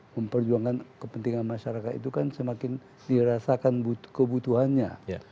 memperjuangkan kepentingan masyarakat itu kan semakin dirasakan kebutuhannya